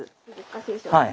はい。